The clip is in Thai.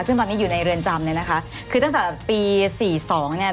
ซึ่งตอนนี้อยู่ในเรือนจำเนี่ยนะคะคือตั้งแต่ปีสี่สองเนี่ย